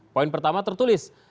poin pertama tertulis